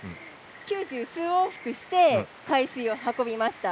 九十数往復して海水を運びました。